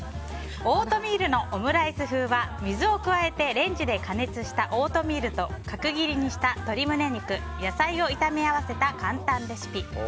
オートミールのオムライス風は水を加えてレンジで加熱したオートミールと角切りにした鶏胸肉野菜を炒め合わせた簡単レシピ。